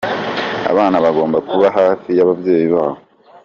Abana bagomba kuba hafi y'ababyeyi babo.